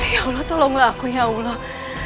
ya allah tolonglah aku ya allah